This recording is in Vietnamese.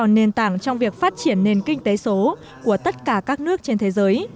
năm g sẽ đóng vai trò nền tảng trong việc phát triển nền kinh tế số của tất cả các nước trên thế giới